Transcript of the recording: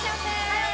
はい！